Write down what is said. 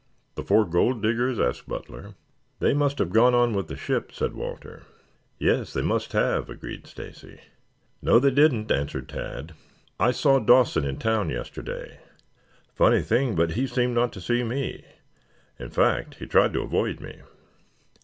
"The four gold diggers?" asked Butler. "They must have gone on with the ship," said Walter. "Yes, they must have," agreed Stacy. "No, they didn't," answered Tad. "I saw Dawson in town yesterday. Funny thing, but he seemed not to see me. In fact he tried to avoid me."